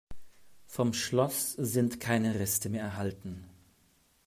Vom Schloss sind keine Reste mehr erhalten.